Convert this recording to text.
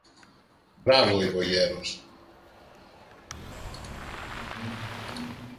Μπράβο, είπε ο γέρος.